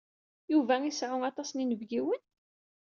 Yuba iseɛɛu aṭas n yinebgiwen?